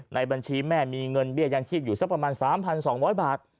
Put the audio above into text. ในบัญชีแม่มีเงินเบี้ยยังชีพอยู่สักประมาณ๓๒๐๐บาท